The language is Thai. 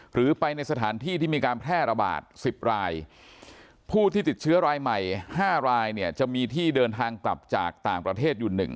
หรือไปในสถานที่ที่มีการแพร่ระบาด๑๐รายผู้ที่ติดเชื้อรายใหม่๕รายเนี่ยจะมีที่เดินทางกลับจากต่างประเทศอยู่๑